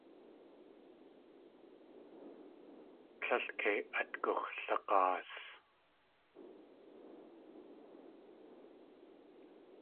Tlél kei at gux̲lag̲aas.